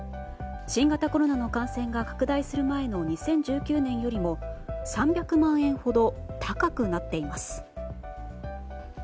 新型コロナの感染が拡大する前の２０１９年よりも３００万円ほど高くなっています。